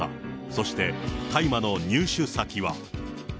そして大麻の入手先は。